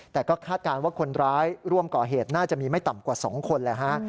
แต่ก็คาดการณ์ว่าคนร้ายร่วมก่อเหตุน่าจะมีไม่ต่ำกว่า๒คนเลยฮะ